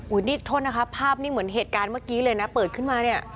นี่โทษนะคะภาพนี้เหมือนเหตุการณ์เมื่อกี้เลยนะเปิดขึ้นมาเนี่ย